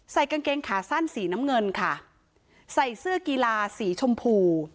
กางเกงขาสั้นสีน้ำเงินค่ะใส่เสื้อกีฬาสีชมพู